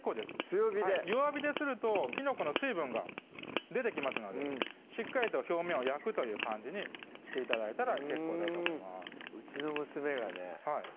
強火で弱火でするときのこの水分が出てきますのでしっかりと表面を焼くという感じにして頂いたら結構だと思いますうちの娘がね